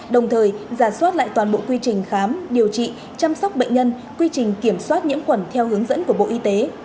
đồng thời giả soát lại toàn bộ quy trình khám điều trị chăm sóc bệnh nhân quy trình kiểm soát nhiễm khuẩn theo hướng dẫn của bộ y tế